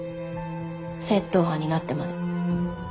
窃盗犯になってまで。